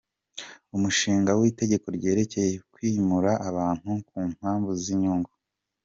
Umushinga w‟Itegeko ryerekeye kwimura abantu ku mpamvu z‟inyungu